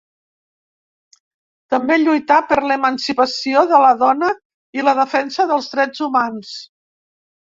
També lluità per l'emancipació de la dona i la defensa dels drets humans.